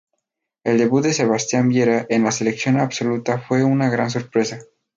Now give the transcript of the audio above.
El debut de Sebastián Viera en la Selección Absoluta fue una gran sorpresa.